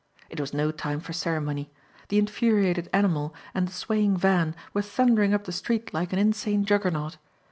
It was no time for ceremony. The infuriated animal and the swaying van were thundering up the street like an insane Juggernaut.